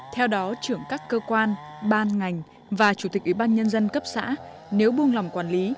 theo đó trưởng các cơ quan ban ngành và chủ tịch ubnd cấp xã nếu buông lòng quản lý